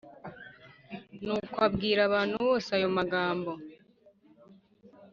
Nuko abwira abantu bose ayo magambo